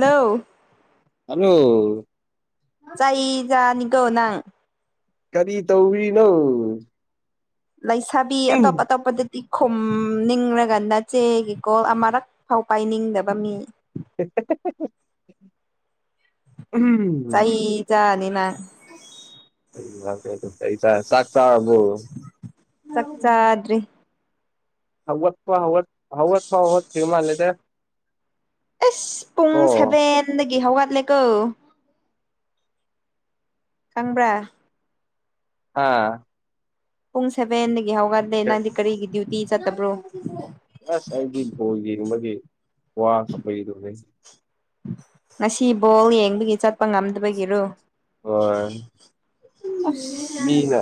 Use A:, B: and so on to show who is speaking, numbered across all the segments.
A: ꯂꯧ
B: ꯍꯜꯂꯣ
A: ꯆꯥꯏꯖꯅꯤꯒꯣ ꯅꯪ
B: ꯀꯔꯤ ꯇꯧꯔꯤꯅꯣ
A: ꯂꯩꯁꯥꯕꯤ ꯑꯇꯣꯞ ꯑꯇꯣꯞꯄꯗꯤ ꯗꯤꯟꯈꯨꯝꯅꯤꯡꯔꯒ ꯅꯆꯦꯒꯤ ꯀꯣꯜ ꯑꯃꯨꯔꯛ ꯐꯥꯎ ꯄꯥꯏꯅꯤꯡꯗꯕ ꯃꯤ
B: [unintelligible]
A: ꯆꯩ ꯆꯥꯅꯤ ꯅꯪ
B: ꯩ ꯆꯥꯛ ꯆꯥꯔꯕꯣ
A: ꯆꯛꯆꯥꯗ꯭ꯔꯤ
B: ꯍꯧꯒꯄ ꯍꯧꯒꯠꯇꯔꯤ ꯃꯜꯂꯦꯗ
A: ꯑꯁ ꯄꯨꯡ
B: ꯑꯣ
A: ꯁꯦꯚꯦꯟꯗꯒꯤ ꯍꯧꯒꯠꯂꯦꯀꯣ ꯈꯪꯕ꯭ꯔꯥ
B: ꯍꯥ
A: ꯄꯨꯡ ꯁꯦꯚꯦꯟꯗꯒꯤ ꯍꯧꯒꯥꯟꯂꯦ ꯅꯪꯗꯤ ꯀꯔꯤꯒꯤ ꯗ꯭ꯌꯨꯇꯤ ꯆꯠꯇꯕ꯭ꯔꯣ
B: ꯑꯁ ꯑꯩꯗꯤ ꯕꯣꯜ ꯌꯦꯡꯕꯒꯤ ꯋꯥ ꯈꯔ ꯂꯩ
A: ꯉꯁꯤ ꯕꯣꯜ ꯌꯦꯡꯕꯒꯤ ꯆꯠꯄ ꯉꯝꯗꯕꯒꯤꯔꯨ
B: ꯍꯣꯏ ꯃꯤꯅ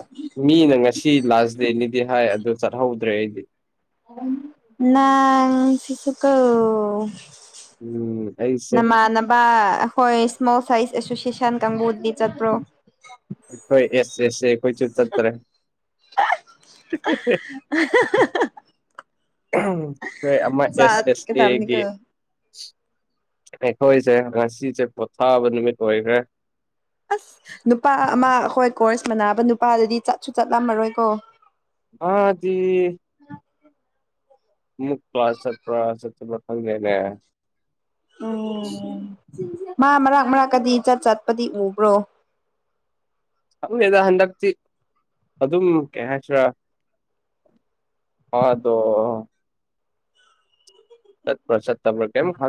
B: ꯃꯤꯅ ꯉꯁꯤ ꯂꯥꯁ ꯗꯦꯅꯤꯗꯤ ꯍꯥꯏ ꯑꯗꯨ ꯆꯠꯍꯧꯗ꯭ꯔꯦ ꯑꯩꯗꯤ
A: ꯅꯪ ꯁꯤꯁꯨꯀꯣ
B: ꯎꯝ ꯑꯩꯁꯦ
A: ꯅꯃꯥꯟꯕ ꯍꯣꯏ ꯏꯁꯃꯣꯜ ꯁꯥꯏꯖ ꯑꯦꯁꯣꯁꯤꯌꯦꯁꯟ ꯀꯥꯡꯕꯨꯗꯤ ꯆꯠꯄ꯭ꯔꯣ꯫
B: ꯍꯣꯏ ꯑꯦꯁ ꯑꯦꯁ ꯄꯆ ꯆꯠꯇꯔꯦ ꯍꯣꯏ ꯑꯃ ꯑꯦꯁ ꯑꯦꯁ ꯑꯦꯒꯤ
A: ꯆꯠꯀꯗꯕꯅꯤꯀꯣ
B: ꯑꯦꯈꯣꯏꯁ ꯍꯁꯤꯁ ꯄꯣꯊꯥꯕꯃꯤ ꯀ ꯑꯣꯏꯣꯏꯈꯦ
A: ꯑꯁ ꯅꯨꯄꯥ ꯑꯃ ꯍꯣꯏ ꯀꯣꯔꯁ ꯃꯅꯥꯅꯕ ꯅꯨꯄꯥꯗꯨꯗꯤ ꯆꯠꯁꯨ ꯆꯠꯂꯝꯃꯔꯣꯏꯀꯣ
B: ꯑꯗꯤ ꯨꯛ ꯀ꯭ꯂꯥꯁ ꯄꯁꯊ ꯂꯩꯒ
A: ꯑꯣ ꯃꯥ ꯃꯔꯛ ꯃꯔꯛꯀꯗꯤ ꯆꯠ ꯆꯠꯄꯗꯤ ꯎꯕ꯭ꯔꯣ
B: ꯑꯗꯨ ꯌꯦꯗ ꯍꯟꯗꯛꯇ ꯑꯗꯨ ꯑꯗꯨꯝ ꯀꯌꯥ ꯍꯥꯏꯁ ꯍꯗꯣ ꯆꯠꯄ ꯆꯠꯠꯇꯔ ꯀꯝ ꯈꯥ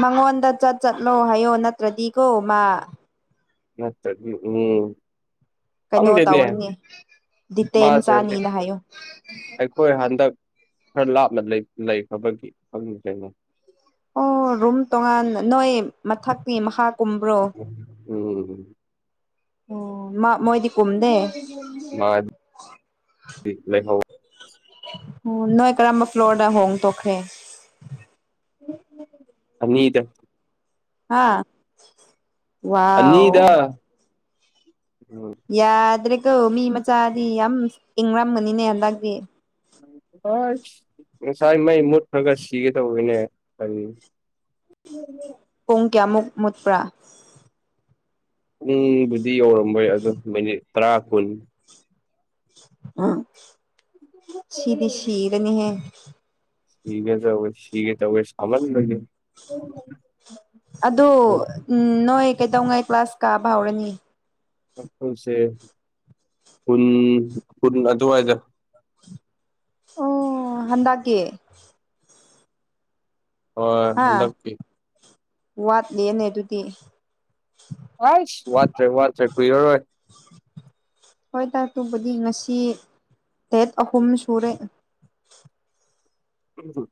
A: ꯃꯉꯣꯟꯗ ꯆꯠ ꯆꯠꯂꯣ ꯍꯥꯏꯌꯣ ꯅꯠꯇ꯭ꯔꯗꯤꯀꯣ ꯃꯥ
B: ꯃꯕꯤ ꯎꯝ
A: ꯀꯩꯅꯣ
B: ꯈꯪꯗꯤꯅꯦ
A: ꯇꯧꯔꯅꯤ ꯗꯤꯇꯦꯟ
B: ꯃꯥꯁꯦ ꯍꯧꯖꯤ
A: ꯆꯥꯅꯤꯅ ꯍꯥꯏꯌꯣ
B: ꯑꯩꯈꯣꯏ ꯍꯟꯗꯛ ꯈꯔ ꯂꯥꯞꯅ ꯂꯩꯈ꯭ꯔꯕꯒꯤ ꯈꯪꯅꯤꯡ ꯊꯦꯡꯅꯩ
A: ꯑꯣ ꯔꯨꯝ ꯇꯣꯉꯥꯟ ꯅꯣꯏ ꯃꯊꯛꯀꯤ ꯃꯍꯥ ꯀꯨꯝꯕ꯭ꯔꯣ
B: ꯎꯝ
A: ꯑꯣ ꯃꯥ ꯃꯣꯏꯗꯤ ꯀꯨꯝꯨꯝꯗꯦ
B: ꯃꯥ ꯂꯩꯍ
A: ꯅꯣꯏ ꯀꯔꯝꯕ ꯐ꯭ꯂꯣꯔꯗ ꯍꯣꯡ ꯇꯣꯛꯈ꯭ꯔꯦ
B: ꯃꯤꯗ
A: ꯑꯥ ꯋꯥ
B: ꯑꯅꯤꯗ ꯎꯝ
A: ꯌꯥꯗ꯭ꯔꯦꯀꯣ ꯃꯤ ꯃꯆꯥꯗꯤ ꯌꯥꯝ ꯏꯪꯔꯝꯒꯅꯤꯅꯦ ꯍꯟꯗꯛꯇꯤ
B: ꯍꯣꯏ ꯉꯁꯥꯏ ꯃꯩ ꯃꯨꯠꯈ꯭ꯔꯒ ꯁꯤꯒꯦ ꯇꯧꯕꯅꯦ ꯀꯔꯤ
A: ꯄꯨꯡ ꯀꯌꯥꯃꯨꯛ ꯃꯨꯠꯄ꯭ꯔꯥ
B: ꯄꯨꯡꯕꯨꯗꯤ ꯌꯧꯔꯝꯃꯣꯏ ꯑꯣ ꯃꯤꯅꯤꯠ ꯇꯔꯥ ꯀꯨꯟ
A: ꯑ ꯁꯤꯗꯤ ꯁꯤꯔꯅꯤꯍꯦ
B: ꯁꯤꯒꯦ ꯆꯋ ꯁꯤꯒꯦ ꯆ ꯋꯁ ꯊꯝꯕꯜ ꯅꯦ
A: ꯑꯗꯣ ꯎꯝ ꯅꯣꯏ ꯀꯩꯗꯧꯉꯩ ꯀ꯭ꯂꯥꯁ ꯀꯥꯕ ꯍꯧꯔꯅꯤ
B: ꯁꯦ ꯄꯨꯟ ꯄꯨꯟ ꯑꯊꯋꯥꯏꯗ
A: ꯑꯣ ꯍꯟꯗꯛꯀꯤ
B: ꯑꯣ ꯍꯟꯗꯛꯄꯤ
A: ꯋꯥꯠꯂꯅꯦ ꯑꯗꯨꯗꯤ
B: ꯑꯁ ꯋꯥꯠꯇ꯭ꯔꯦ ꯋꯥꯠꯇ꯭ꯔꯦ ꯀꯨꯏꯔꯔꯣꯏ
A: ꯍꯣꯏ ꯇꯥꯛ ꯇꯕꯨꯗꯤ ꯉꯁꯤ ꯗꯦꯠ ꯑꯍꯨꯝ ꯁꯨꯔꯦ
B: ꯎꯝ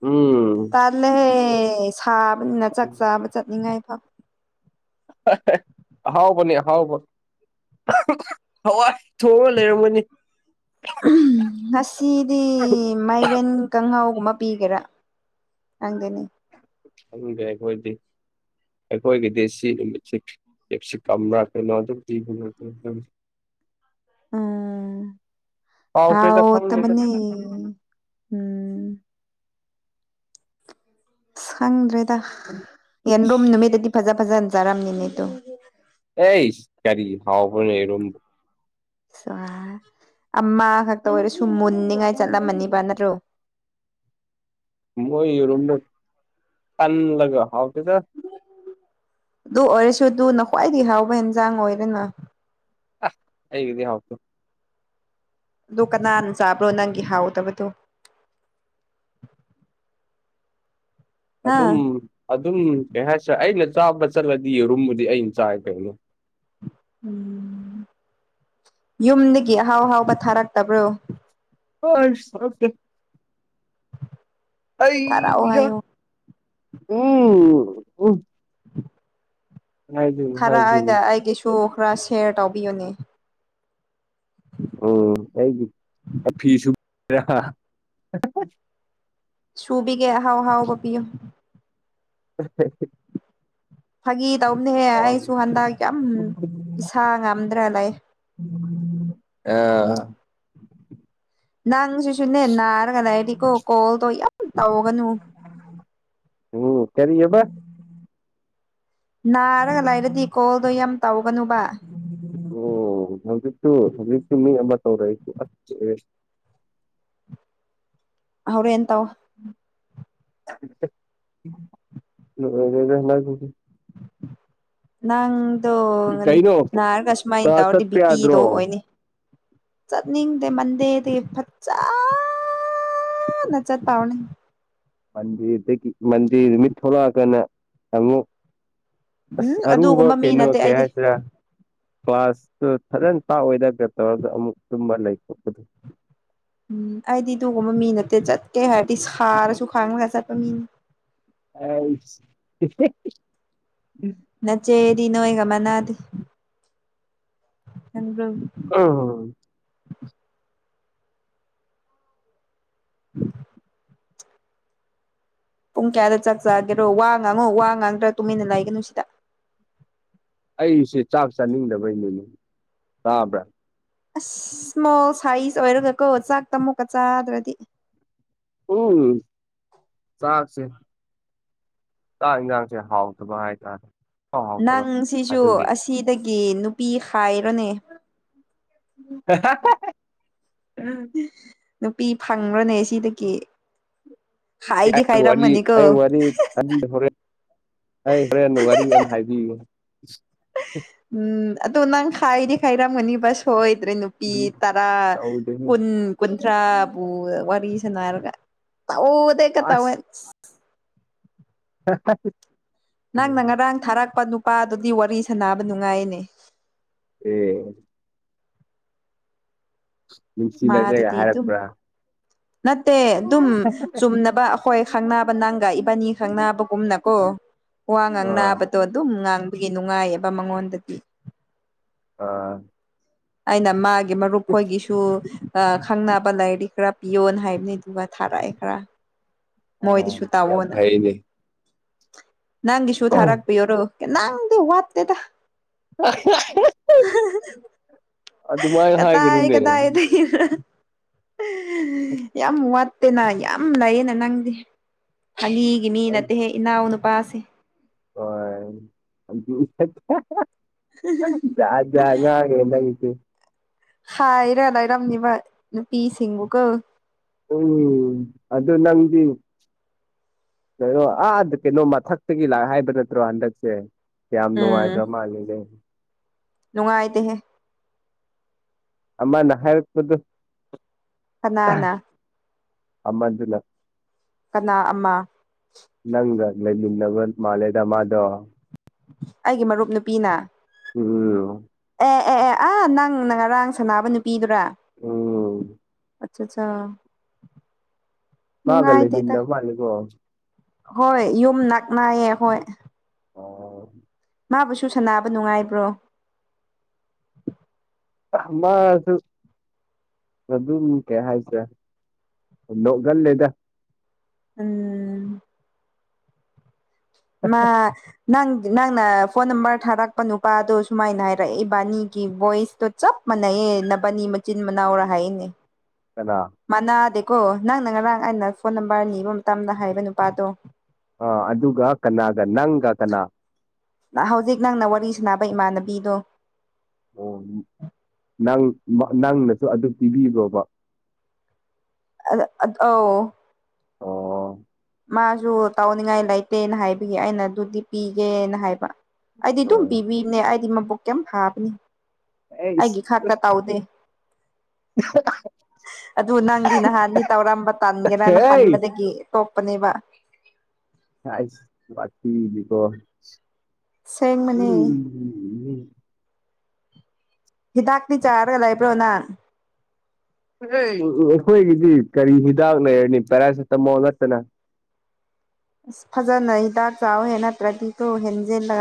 A: ꯇꯥꯜꯂꯦꯍꯦ ꯁꯥꯕꯅꯤꯅ ꯆꯥꯛ ꯆꯥꯕ ꯆꯠꯅꯤꯡꯉꯥꯏ ꯐꯥꯎ
B: ꯑꯥꯎꯕꯅꯤ ꯑꯍꯥꯎꯕ ꯍꯋꯥꯏ ꯊꯣꯛꯑ ꯂꯩꯔꯝꯒꯅꯤ
A: ꯉꯁꯤꯗꯤ ꯃꯥꯏꯔꯦꯟ ꯀꯥꯡꯪꯍꯥꯎꯒꯨꯝꯕ ꯕꯤꯒꯔꯥ ꯑꯪꯗꯨꯅꯤ
B: ꯑꯒꯦꯒ ꯑꯣꯏꯣꯏꯗꯤ ꯑꯩꯈꯣꯏꯒꯤꯗꯤ ꯁꯤ ꯅꯨꯃꯤꯠꯁꯤꯦ ꯀꯝꯕ꯭ꯔꯥ ꯀꯩꯅꯣ ꯑꯗꯨꯝ ꯄꯤꯕ
A: ꯑꯝ
B: ꯍꯥꯎꯈ꯭ꯔꯦꯗ
A: ꯍꯥꯎ
B: ꯈꯪꯗꯦꯗ
A: ꯃꯅꯤ ꯎꯝ ꯁꯪꯗ꯭ꯔꯦꯗ ꯌꯦꯟꯗꯣꯝ ꯅꯨꯃꯤꯠꯇꯗꯤ ꯐꯖ ꯐꯖꯍꯟꯖꯔꯝꯅꯤꯅꯦꯗꯣ
B: ꯑꯩ ꯀꯥꯔꯤ ꯍꯋꯥ ꯐꯅ ꯑꯦꯔꯝ
A: ꯁ ꯑꯃ ꯈꯛꯇ ꯑꯣꯏꯔꯁꯨ ꯃꯨꯟꯅꯤꯉꯥꯏ ꯆꯠꯂꯝꯃꯅꯤꯕ ꯅꯠꯇ꯭ꯔꯣ [inaudible]
B: ꯃꯣꯏꯔꯝ ꯇꯥꯟꯂꯒ ꯍꯥꯎ ꯄꯗ
A: ꯑꯗꯨ ꯑꯣꯏꯔꯁꯨ ꯑꯗꯨꯅ ꯈ꯭ꯋꯥꯏꯗꯒꯤ ꯍꯥꯎꯕ ꯑꯦꯟꯁꯥꯡ ꯑꯣꯏꯔꯦꯅ
B: ꯍꯩꯒꯗꯦ ꯍꯥꯎ
A: ꯑꯗꯨ ꯀꯅꯥꯅ ꯆꯥꯕ꯭ꯔꯣ ꯅꯪꯒꯤ ꯍꯥꯎꯗꯕꯗꯨꯣ
B: ꯑꯗꯨꯝ ꯑꯗꯨꯝ ꯀꯩ ꯍꯥꯏꯁꯦ ꯑꯩꯅ ꯆꯥꯕ ꯆꯠꯂꯗꯤ ꯌꯦꯔꯨꯝꯕꯨꯗꯤ ꯑꯩ ꯆꯥꯏꯦ ꯀꯩꯅꯣ
A: ꯎꯝ ꯌꯨꯝꯗꯒꯤ ꯑꯍꯥꯎ ꯑꯍꯥꯎꯕ ꯊꯥꯔꯛꯇꯕ꯭ꯔꯣ
B: ꯑ
A: ꯊꯥꯔꯛꯑꯣ
B: ꯑꯌꯥ
A: ꯍꯥꯏꯌꯣ
B: ꯎꯝ ꯎꯝ ꯍꯥꯏꯗꯣꯏꯅꯤ
A: ꯊꯥꯔꯛꯑꯒ
B: ꯍꯥꯏꯗꯣꯏꯅꯤ
A: ꯑꯩꯒꯤꯁꯨ ꯈꯔ ꯁꯦꯌꯔ ꯇꯧꯕꯤꯌꯨꯅꯦ
B: ꯑꯣ ꯑꯩꯒꯤ ꯐꯤꯁꯨ
A: ꯁꯨꯕꯤꯒꯦ ꯑꯍꯥꯎ ꯍꯥꯎꯒꯄꯤꯌꯨ
B: [unintelligible]
A: ꯐꯥꯒꯤ ꯇꯧꯅꯦꯍꯦ ꯑꯩꯁꯨ ꯍꯟꯗꯛ ꯌꯥꯝ ꯏꯁꯥ ꯉꯝꯗ꯭ꯔ ꯂꯩ
B: ꯑ
A: ꯅꯪ ꯁꯁꯨꯨꯅꯦꯦꯟꯅꯔ ꯀꯗꯥꯥꯏꯇꯀꯣ ꯀꯣꯜ ꯇꯣ
B: ꯎꯝ ꯀꯦꯔꯤ ꯍꯕ
A: ꯅꯥꯔꯒ ꯂꯥꯏꯔꯗꯤ ꯀꯣꯜꯗ ꯌꯥꯝ ꯇꯧꯒꯅꯨꯕ
B: ꯑꯣ ꯍꯧꯖꯤꯠꯇ ꯍꯧꯖꯤ ꯇꯔꯥꯏ
A: ꯍꯧ꯭ꯔꯦ ꯑꯦꯟ ꯇꯋꯥ
B: ꯂꯗ ꯍꯂ
A: ꯅꯪꯗꯣ
B: ꯀꯩꯅꯣ
A: ꯅꯥꯔꯒ ꯁꯨꯃꯥꯏꯅ
B: ꯀ꯭ꯂꯥꯁ
A: ꯇꯧꯔꯗꯤ
B: ꯆꯠꯄ ꯌꯥꯗ꯭ꯔꯣ
A: ꯕꯤꯄꯤꯗꯣ ꯑꯣꯏꯅꯤ ꯆꯠꯅꯤꯡꯗ ꯃꯗꯗ ꯐꯠꯇꯥ ꯅꯆꯠ ꯄꯥꯎꯅ
B: ꯃꯟꯗꯤꯔꯗꯒꯤ ꯃꯟꯗꯤꯔ ꯅꯨꯃꯤꯠ ꯊꯂꯛꯑꯒꯅ ꯆꯪꯉꯨ ꯑꯁ
A: ꯎꯝ
B: ꯑꯔꯨꯕ
A: ꯑꯗꯨꯒꯨꯝꯕ ꯃꯤ
B: ꯀꯩꯅ
A: ꯅꯠꯇꯦ
B: ꯀꯌꯥ
A: ꯑꯩꯗꯤ
B: ꯍꯥꯏꯖꯔ ꯄꯥꯁꯇꯨ ꯐꯖꯟ ꯄꯥꯛꯑꯣꯏꯔꯒ ꯇꯧꯔꯒ ꯑꯃꯨꯛ ꯇꯨꯝꯕ ꯂꯩꯊꯣꯄꯗꯨ
A: ꯎꯝ ꯑꯩꯗꯤ ꯑꯗꯨꯒꯒꯨꯝꯕ ꯃꯤ ꯅꯠꯇꯦ ꯆꯠꯀꯦ ꯍꯥꯏꯔꯗꯤ ꯁꯥꯔꯁꯨ ꯈꯥꯡꯉꯒ ꯆꯠꯄ ꯃꯤꯅꯤ
B: ꯑ
A: ꯆꯦꯗꯤ ꯅꯣꯒ ꯃꯅꯥꯗꯤ
B: ꯑ
A: ꯎ ꯄꯨꯡ ꯀꯌꯥꯗ ꯆꯥꯛ ꯆꯥꯒꯦꯔꯣ ꯋꯥ ꯉꯥꯡꯉꯣ ꯋꯥ ꯉꯥꯡꯗ꯭ꯔꯥ ꯇꯨꯃꯤꯟꯅ ꯂꯩꯒꯅꯨ ꯁꯤꯗ
B: ꯑꯩꯁꯦ ꯆꯥꯛ ꯆꯥꯅꯤꯡꯗꯕꯩꯅꯤꯅꯤ ꯇꯥꯕ꯭ꯔꯥ
A: ꯑꯁ ꯏꯁꯃꯣꯜ ꯁꯥꯏꯖ ꯑꯣꯏꯔꯒ ꯀꯣ ꯆꯥꯛꯇꯃꯨꯛꯀ ꯆꯥꯗ꯭ꯔꯗꯤ
B: ꯎꯝ ꯁꯥꯥꯛꯁ ꯆꯥꯛ ꯏꯟꯖꯥꯡꯁꯦ ꯍꯥꯎꯗꯕ ꯍꯥꯏꯇꯥꯔꯦ ꯏꯍꯥꯎ ꯍꯥꯎꯇꯕ
A: ꯅꯪ ꯁꯤꯁꯨ
B: ꯑꯗꯨꯒꯤ
A: ꯑꯁꯤꯗꯒꯤ ꯅꯨꯄꯤ ꯍꯥꯏꯔꯣꯅꯦ
B: [unintelligible] ꯎꯝ
A: ꯅꯨꯄꯤ ꯐꯪꯈ꯭ꯔꯅꯦ ꯁꯤꯗꯒꯤ ꯍꯥꯏꯗꯤ
B: ꯋꯥꯔꯤ ꯑꯩ
A: ꯍꯥꯏꯔꯝꯒꯅꯤꯀꯣ
B: ꯋꯥꯔꯤꯔꯦ ꯑꯩ ꯍꯣꯔꯦꯟ ꯋꯥꯔꯤ ꯑꯃ ꯍꯥꯏꯕꯤꯌꯨ
A: ꯎꯝ ꯑ ꯑꯗꯨꯣ ꯅꯪ ꯈꯥꯏꯗꯤ ꯈꯥꯏꯔ ꯃꯅꯤꯕ ꯁ ꯍꯣꯏ ꯦ ꯅꯨꯄꯤ
B: ꯎꯝ
A: ꯇꯔꯥ
B: ꯇꯧꯗꯦꯍꯦ
A: ꯀꯨꯟ ꯀꯟ ꯄ ꯋꯥꯔꯤꯔꯤꯁꯟꯅꯔꯒ ꯇꯗꯦ ꯀ ꯇꯋꯥ
B: ꯍ
A: ꯅꯪꯅ ꯉꯔꯥꯡ ꯊꯥꯔꯛꯄ ꯅꯨꯄꯥ ꯑꯗꯨꯗꯤ ꯋꯥꯔꯤ ꯁꯥꯥꯟꯅꯕ ꯅꯨꯡꯉꯥꯏꯅꯦ
B: ꯎꯝ ꯅꯨꯡꯁꯤꯅꯁꯦꯒ
A: ꯃꯥꯗꯨꯗꯤ ꯑꯗꯨꯝ
B: ꯍꯥꯏꯔꯛꯄ꯭ꯔꯥ?
A: ꯅꯠꯇꯦ ꯑꯗꯨꯝ ꯆꯨꯝꯅꯕ ꯑꯈꯣꯏ ꯈꯪ ꯅꯥꯕ ꯅꯪꯒ ꯏꯕꯥꯅꯤ ꯈꯪꯅꯥꯕꯒꯨꯝꯅꯀꯣ ꯋꯥ
B: ꯑ
A: ꯉꯥꯡꯅꯥꯕꯗꯣ ꯑꯗꯨꯝ ꯉꯥꯡ ꯈꯣꯏꯒꯤ ꯅꯨꯡꯉꯥꯏꯌꯦꯕ ꯃꯉꯣꯟꯗꯗꯤ꯫
B: ꯑꯥ
A: ꯑꯩꯅ ꯃꯥꯒꯤ ꯃꯔꯨꯞ ꯈꯣꯏꯒꯤꯁꯨ ꯑꯩ ꯈꯪꯅꯕ ꯂꯥꯏꯔꯤꯛ ꯈꯔ ꯄꯤꯌꯣꯅ ꯍꯥꯏꯕꯅꯤ ꯑꯗꯨꯒ ꯊꯥꯔꯛꯑꯦ ꯈꯔ꯫
B: ꯑ
A: ꯃꯣꯏꯗꯁꯨ
B: ꯌꯥꯝ
A: ꯇꯥꯛꯑꯣꯅ꯫
B: ꯐꯩꯅꯦ
A: ꯅꯪꯒꯤꯁꯨꯨ ꯊꯥꯔꯛꯄꯤꯌꯣꯔꯣ ꯀꯅꯪꯗꯤ ꯋꯥꯠꯇꯦꯗ꯫
B: [unintelligible] ꯑꯗꯨꯃꯥꯏ
A: ꯀꯗꯥꯏ
B: ꯍꯥꯏꯒꯅꯨꯅꯦ꯫
A: ꯀꯗꯥꯏꯗꯒꯤ [unintelligible] ꯌꯥꯝ ꯋꯥꯠꯇꯦꯅ ꯌꯥꯝ ꯂꯩꯌꯦꯅ ꯅꯪꯗꯤ꯫ ꯐꯒꯤꯒꯤ ꯃꯤ ꯅꯠꯇꯦꯍꯦ ꯏꯅꯥꯎ ꯅꯨꯄꯥꯁꯦ꯫
B: [unintelligible] [unintelligible] ꯖꯥꯠ ꯖꯥꯠ ꯉꯥꯉꯦ ꯅꯪꯁꯦ꯫
A: ꯍꯥꯏꯔ ꯂꯩꯔꯝꯅꯤꯕ ꯅꯨꯄꯤꯁꯤꯡꯕꯨꯀꯣ꯫
B: ꯎꯝ ꯑꯗꯨ ꯅꯪꯗꯤ ꯀꯩꯅꯣ ꯑꯥ ꯀꯩꯅꯣ ꯃꯊꯛꯇꯒꯤ ꯂꯥꯛ ꯍꯥꯏꯕ ꯅꯠꯇ꯭ꯔꯣ ꯍꯟꯗꯛꯁꯦ꯫ ꯀꯌꯥꯝ ꯅꯨꯡꯉꯥꯏꯒꯔꯥ
A: ꯎꯝ
B: ꯃꯂꯦꯂꯦ꯫
A: ꯅꯨꯡꯉꯥꯏꯇꯦꯍꯦ꯫
B: ꯑꯃꯅ ꯍꯥꯏꯔꯄꯗꯨ
A: ꯀꯅꯥꯅ?
B: ꯑꯃ ꯗꯨꯂ
A: ꯀꯅꯥ ꯑꯃꯥ
B: ꯅꯪꯒ ꯂꯩꯃꯤꯟꯅꯕ ꯃꯥꯂꯦꯗ ꯃꯥꯗꯣ꯫
A: ꯑꯩꯒꯤ ꯃꯔꯨꯞ ꯅꯨꯄꯤꯅ
B: ꯎꯝ [inaudible]
A: ꯑꯦ ꯑꯦ ꯑꯦ ꯑꯥ ꯅꯪꯅ ꯉꯔꯥꯡ ꯁꯥꯟꯅꯥꯕ ꯅꯨꯄꯤꯗꯨꯔꯥ?
B: ꯎꯝ
A: ꯑꯆꯆꯥ
B: ꯃꯥꯒ ꯂꯩꯃꯤꯟꯅ ꯃꯥꯜꯂꯦꯀꯣ꯫
A: ꯍꯣꯏ ꯌꯨꯝ ꯅꯛꯅꯥꯌꯦ ꯈ‌ꯣꯏ꯫
B: ꯑꯣ
A: ꯃꯥꯕꯨꯁꯨ ꯁꯥꯅꯕ ꯅꯨꯡꯉꯥꯏꯕ꯭ꯔꯣ?
B: [unintelligible] ꯃꯥꯁꯨ ꯑꯗꯨꯝ ꯀꯩ ꯍꯥꯏꯁꯦ ꯅꯣꯛꯒꯜꯂꯦꯗ꯫
A: ꯎꯝ ꯃꯥ ꯅꯪ ꯅꯪꯅ ꯐꯣꯟ ꯅꯝꯕꯔ ꯊꯥꯔꯛꯄ ꯅꯨꯄꯥꯗꯣ ꯁꯨꯃꯥꯏꯅ ꯍꯥꯏꯔꯛꯑꯦ ꯏꯕꯥꯅꯤꯒꯤ ꯕꯣꯏꯁꯇꯣ ꯆꯞ ꯃꯥꯟꯅꯩꯌꯦ ꯅꯕꯅꯤ ꯃꯆꯤꯟ ꯃꯅꯥꯎꯔ ꯍꯥꯏꯅꯦ꯫
B: ꯀꯅꯥ
A: ꯃꯅꯥꯗꯦꯀꯣ ꯅꯪꯅ ꯉꯔꯥꯡ ꯑꯩꯅ ꯐꯣꯟ ꯅꯝꯕꯔ ꯅꯤꯕ ꯃꯇꯝꯗ ꯍꯥꯏꯕ ꯅꯨꯄꯥꯗꯣ꯫
B: ꯑꯥ ꯑꯗꯨꯒ ꯀꯅꯥꯒ ꯅꯪꯒ ꯀꯅꯥ?
A: ꯑꯥ ꯍꯧꯖꯤꯛ ꯅꯪꯅ ꯋꯥꯔꯤ ꯁꯥꯟꯅꯕ ꯏꯃꯥꯟꯅꯕꯤꯗꯣ
B: ꯑꯣ ꯅꯪ ꯅꯪ ꯅꯪꯅꯁꯨ ꯑꯗꯨꯝ ꯄꯤꯕꯤꯕ꯭ꯔꯣꯕ?
A: ꯑꯗ ꯑ ꯑꯧ
B: ꯑꯣ
A: ꯃꯥꯁꯨ ꯇꯧꯅꯤꯡꯉꯥꯏ ꯂꯩꯇꯦꯅ ꯍꯥꯏꯕꯒꯤ ꯑꯩꯅ ꯑꯗꯨꯗꯤ ꯄꯤꯒꯦꯅ ꯍꯥꯏꯕ꯫ ꯑꯩꯗꯤ ꯗꯨꯝ
B: ꯑ
A: ꯄꯤꯕꯤꯝꯅꯦ ꯑꯩꯗꯤ ꯃꯕꯨꯛ ꯀꯩꯝ ꯐꯥꯕꯅꯦ
B: ꯑꯩ
A: ꯑꯩꯒꯤ ꯈꯥꯛꯇ ꯇꯥꯎꯗꯦ꯫ ꯑꯗꯨ ꯅꯪꯗꯤ ꯅꯍꯥꯟꯅꯤ ꯇꯧꯔꯝꯕ ꯇꯟꯒꯦꯔꯅ ꯍꯟꯕꯗꯒꯤ ꯇꯣꯛ ꯄꯅꯦꯕ꯫
B: ꯑꯥꯏꯁ ꯋꯥꯊꯤꯗꯤꯀꯣ꯫
A: ꯁꯦꯡꯕꯅ‌ꯦ
B: ꯎꯝ
A: ꯍꯤꯗꯥꯛꯇꯤ ꯆꯥꯔꯒ ꯂꯩꯕ꯭ꯔꯣ ꯅꯪ
B: ꯑꯥ ꯑꯩꯈꯣꯏꯒꯤꯗꯤ ꯀꯔꯤ ꯍꯤꯗꯥꯛ ꯂꯩꯔꯅꯤ ꯄꯦꯔꯥꯁꯤꯇꯥꯃꯣꯜ ꯅꯠꯇꯅ
A: ꯑꯁ ꯐꯖꯅ ꯍꯤꯗꯥꯛ ꯆꯥꯎꯍꯦ ꯅꯠꯇ꯭ꯔꯗꯤ ꯀꯨ ꯍꯦꯟꯖꯤꯜꯂ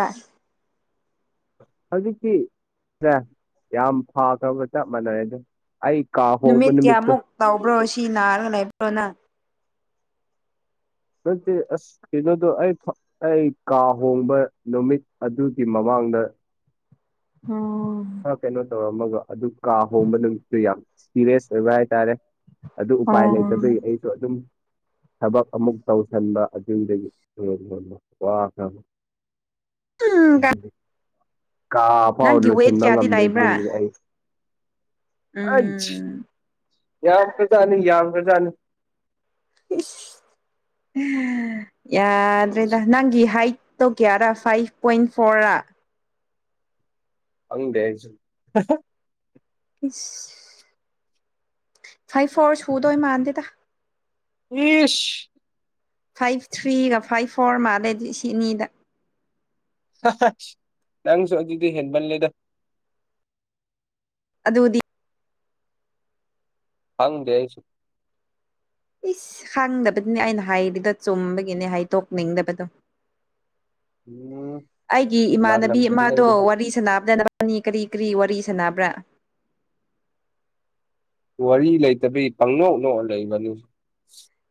B: ꯍꯧꯖꯤꯛꯇꯤ ꯁꯦ ꯌꯥꯝ ꯐꯥꯈ꯭ꯔꯕ ꯆꯞ ꯃꯥꯟꯅꯔ‌ꯦꯗ ꯑꯩ ꯀꯥ ꯍꯣꯡꯕ
A: ꯅꯨꯃꯤꯠ
B: ꯅꯨꯃꯤꯠꯇꯣ
A: ꯀꯌꯥꯃꯨꯛ ꯇꯥꯎꯕ꯭ꯔꯣ ꯁꯤ ꯅꯥꯔꯒ ꯂꯩꯕ꯭ꯔꯣ ꯅꯪ
B: ꯅꯠꯇ‌ꯦ ꯑꯁ ꯀꯩꯅꯣꯗꯣ ꯑꯩ ꯐ ꯑꯩ ꯀꯥ ꯍꯣꯡꯕ ꯅꯨꯃꯤꯠ ꯑꯗꯨꯒꯤ ꯃꯃꯥꯡ ꯃꯥꯡꯗ
A: ꯍ‌ꯣ
B: ꯑꯃꯒ ꯑꯗꯨ ꯀꯥ ꯍꯣꯡꯕ ꯅꯨꯃꯤꯠꯇꯨ ꯌꯥꯝ ꯁꯤꯔꯤꯌꯁ ꯑꯣꯏꯕ ꯍꯥꯏꯇꯥꯔꯦ ꯑꯗꯨ ꯎꯄꯥꯏ
A: ꯑꯣ
B: ꯂꯩꯇꯕꯩ ꯑꯩꯁꯨ ꯑꯗꯨꯝ ꯊꯕꯛ ꯑꯃꯨꯛ ꯇꯧꯁꯤꯟꯕ ꯑꯗꯨꯗꯒꯤ ꯍ‌ꯦꯟꯅ ꯋꯥꯈꯔꯕ
A: ꯎꯝ
B: ꯑꯍꯝ ꯀꯥꯐꯥꯎ
A: ꯅꯪꯒꯤ ꯋꯦꯠ
B: ꯂ‌ꯣꯏꯁꯤꯟꯕ
A: ꯀꯌꯥꯗꯤ ꯂꯩꯕ꯭ꯔꯥ
B: ꯉꯝꯗꯔꯤꯁꯤꯅꯤ ꯑꯩ ꯑꯩꯁ
A: ꯎꯝ
B: ꯌꯥꯝ ꯐꯖꯥꯅꯤ ꯌꯥꯝ ꯐꯖꯥꯅꯤ
A: ꯏꯁ ꯑꯥ ꯌꯥꯗ꯭ꯔꯦꯗ ꯅꯪꯒꯤ ꯍꯥꯏꯠ ꯇꯣ ꯀꯌꯥꯔ ꯐꯥꯏꯚ ꯄꯣꯏꯟ ꯐꯣꯔ ꯔ
B: ꯈꯪꯗꯦ ꯑꯩꯁꯨ
A: ꯏꯁ ꯐꯥꯏꯚ ꯐꯣꯔ ꯁꯨꯗꯣꯏ ꯃꯥꯟꯗꯦꯗ
B: ꯏꯁ
A: ꯐꯥꯏꯚ ꯊ꯭ꯔꯤꯒ ꯐꯥꯏꯚ ꯐꯣꯔ ꯃꯥꯜꯂ‌ꯗꯤ ꯁꯤꯅꯤꯗ
B: ꯅꯪꯁꯨ ꯑꯗꯨꯗꯤ ꯍꯦꯟꯕꯜꯂꯦꯗ
A: ꯑꯗꯨꯕꯨꯗꯤ
B: ꯍꯪꯗꯁꯨ
A: ꯏꯁ ꯈꯪꯗꯕꯗꯨꯅꯦ ꯑꯩꯅ ꯍꯥꯏꯔꯤꯗ ꯆꯨꯝꯕꯒꯤꯅꯦ ꯍꯥꯏ ꯇꯣꯛꯅꯤꯡꯗꯕꯗꯣ
B: ꯎꯝ
A: ꯑꯩꯒꯤ ꯏꯃꯥꯟꯅꯕꯤ
B: ꯂꯥꯜꯂꯝꯒꯅꯤ
A: ꯑꯃꯃꯗꯣ
B: ꯅꯪꯗꯨꯗ
A: ꯋꯥꯔꯤ ꯁꯥꯟꯅꯕꯗ ꯅꯤ ꯀꯔꯤ ꯀꯔꯤ ꯋꯥꯔꯤ ꯁꯥꯟꯅꯕ꯭ꯔꯥ
B: ꯋꯥꯔꯤ ꯂꯩꯇꯕꯤ ꯄꯪꯅꯣꯛꯅꯣ ꯂꯩꯕꯅꯤꯁꯨ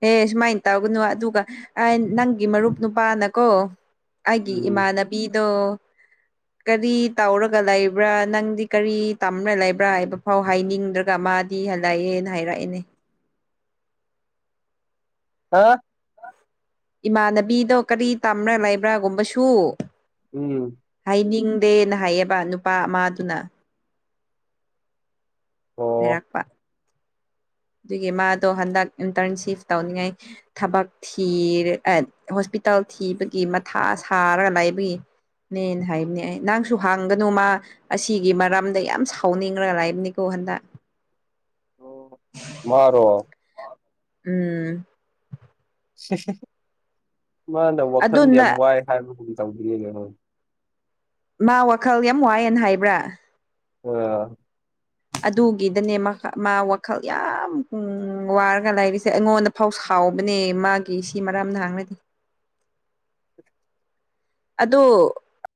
A: ꯑꯦ ꯁꯨꯃꯥꯏꯅ ꯇꯧꯒꯅꯨ ꯑꯗꯨꯒ ꯅꯪꯒꯤ ꯃꯔꯨꯞ ꯅꯨꯄꯥꯅꯀꯣ ꯑꯩꯒꯤ
B: ꯎꯝ
A: ꯏꯃꯥꯟꯅꯕꯤꯗꯣ ꯀꯔꯤ ꯇꯥꯎꯔꯒ ꯂꯩꯕ꯭ꯔꯥ ꯅꯪꯗꯤ ꯀꯔꯤ ꯇꯝꯅ ꯂꯩꯕ꯭ꯔꯥ ꯍꯥꯏꯕ ꯐꯥꯎ ꯍꯥꯏꯅꯤꯡꯗ꯭ꯔꯒ ꯃꯥ ꯗꯤ ꯍꯜꯂꯛꯑꯦꯅ ꯍꯥꯏꯔꯛꯏꯅꯦ
B: ꯍꯥ
A: ꯏꯃꯥꯟꯅꯕꯤꯗꯣ ꯀꯔꯤ ꯇꯝꯕ꯭ꯔꯥ ꯂꯩꯕ꯭ꯔꯥꯒꯨꯝꯕꯁꯨ
B: ꯎꯝ
A: ꯍꯥꯏꯅꯤꯡꯗꯦꯅ ꯍꯥꯏꯌꯦꯕ ꯅꯨꯄꯥ ꯑꯃꯗꯨꯅ
B: ꯑꯣ
A: ꯐꯩꯔꯥꯛꯄ ꯑꯗꯨꯒꯤ ꯃꯥꯗꯣ ꯍꯟꯗꯛ ꯏꯟꯇꯔꯟꯁꯤꯞ ꯇꯧꯅꯤꯡꯉꯥꯏ ꯊꯕꯛ ꯊꯤꯔꯦ ꯑꯦ ꯍꯣꯁꯄꯤ ꯏꯇꯜ ꯊꯤꯕꯒꯤ ꯃꯊꯥ ꯁꯥꯔꯒ ꯂꯥꯏꯕꯒꯤ ꯅ‌ꯦ ꯍꯥꯏꯕꯅꯦ ꯑꯩ ꯅꯪꯁꯨ ꯍꯥꯡꯒꯅꯨ ꯃꯥ ꯑꯁꯤꯒꯤ ꯃꯔꯝꯗ ꯌꯥꯝ ꯁꯥꯎꯅꯤꯡꯔ ꯂꯩꯕꯅꯤꯀꯣ ꯍꯟꯗꯛ
B: ꯑꯣ ꯃꯥꯔꯣ
A: ꯎꯝ
B: ꯃꯥꯅ ꯋꯥꯈꯜꯗꯤ
A: ꯑꯗꯨꯅ
B: ꯌꯥꯝ ꯋꯥꯏ ꯍꯥꯏꯕꯕꯨ ꯇꯧꯕꯕꯤꯔꯅꯦ ꯅ
A: ꯃꯥ ꯋꯥꯈꯜ ꯌꯥꯝ ꯋꯥꯏꯑꯦꯅ ꯍꯥꯏꯕ꯭ꯔꯥ
B: ꯑ
A: ꯑꯗꯨꯒꯤꯗꯅꯦ ꯃꯥ ꯋꯥꯈꯜ ꯌꯥꯝ ꯋꯥꯔꯒ ꯂꯥꯏꯔꯤꯁꯦ ꯑꯩꯉꯣꯟꯗ ꯐꯧꯁ ꯍꯥꯎꯕꯅꯦ ꯃꯥꯒꯤ ꯁꯤ ꯃꯔꯝꯅ ꯍꯥꯡꯅꯗꯤ ꯑꯗꯣ